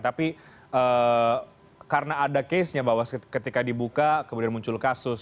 tapi karena ada case nya bahwa ketika dibuka kemudian muncul kasus